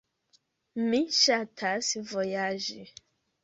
Mi ŝatas vojaĝi.